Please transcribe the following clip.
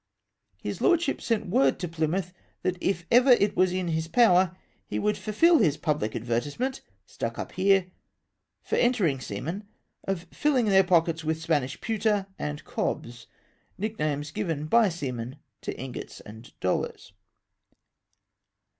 His Lordship sent word to Plymouth, that if ever it was in his power, he would fulfil his public advertise ment (stuck up here) for entering seamen, of filling their pockets with Spanish ' pewter ' and ' cobs,' nicknames given by seamen to ingots and dollars.